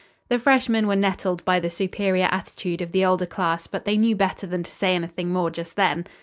The freshmen were nettled by the superior attitude of the older class, but they knew better than to say anything more just then.